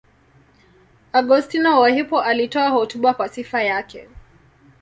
Augustino wa Hippo alitoa hotuba kwa sifa yake.